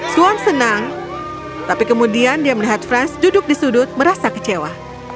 swan senang tapi kemudian dia melihat franz duduk di sudut merasa kecewa